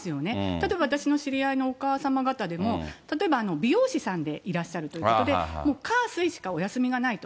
例えば私の知り合いのお母様方でも、例えば美容師さんでいらっしゃるということで、もう火、水しかお休みがないと。